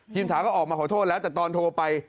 ถาก็ออกมาขอโทษแล้วแต่ตอนโทรไป